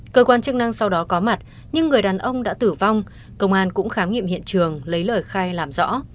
cơ quan chức năng sau đó có mặt nhưng người đàn ông đã tử vong công an cũng khám nghiệm hiện trường lấy lời khai làm rõ